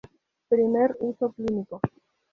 Primer uso clínico.